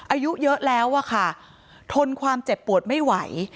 อายุเยอะแล้วอะค่ะทนความเจ็บปวดไม่ไหว